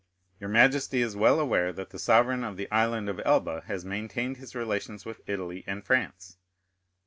Your majesty is well aware that the sovereign of the Island of Elba has maintained his relations with Italy and France?"